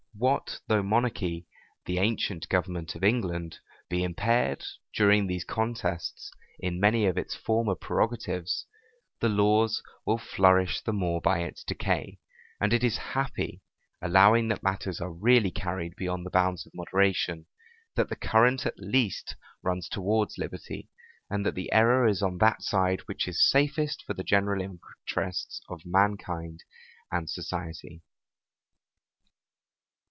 What though monarchy, the ancient government of England, be impaired, during these contests, in many of its former prerogatives: the laws will flourish the more by its decay; and it is happy, allowing that matters are really carried beyond the bounds of moderation, that the current at least runs towards liberty, and that the error is on that side which is safest for the general interests of mankind and society.